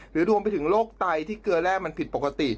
รวมไปถึงโรคไตที่เกลือแร่มันผิดปกติ